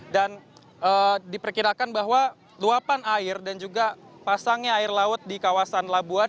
dan diperkirakan bahwa luapan air dan juga pasangnya air laut di kawasan labuan